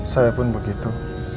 saya pun begitu